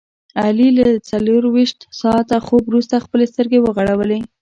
علي له څلوریشت ساعته خوب ورسته خپلې سترګې وغړولې.